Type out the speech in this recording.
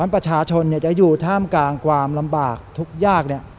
ประชาชนจะอยู่ท่ามกลางความลำบากทุกข์ยาก